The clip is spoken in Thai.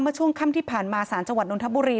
เมื่อช่วงค่ำที่ผ่านมาสารจังหวัดนทบุรี